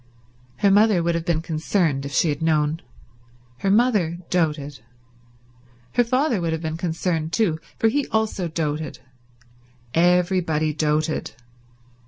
Her mother would have been concerned if she had known. Her mother doted. Her father would have been concerned too, for he also doted. Everybody doted.